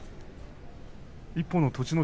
一方の栃ノ